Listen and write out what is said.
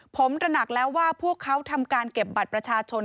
ผมตระหนักแล้วว่าพวกเขาทำการเก็บบัตรประชาชน